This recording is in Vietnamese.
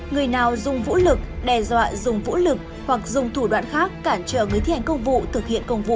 người nào dùng vũ lực đe dọa dùng vũ lực hoặc dùng thủ đoạn khác cản trở người thi hành công vụ thực hiện công vụ